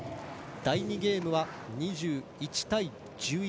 第２ゲームは２１対１１。